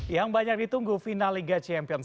yang banyak ditunggu final liga champions